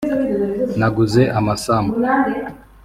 naguze amasambu